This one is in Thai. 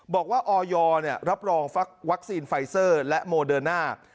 บอกว่าออยรับรองวัคซีนไฟเซอร์และโมเดิร์น่า